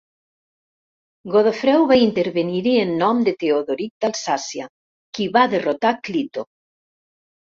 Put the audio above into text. Godofreu va intervenir-hi en nom de Teodoric d'Alsàcia, qui va derrotar Clito.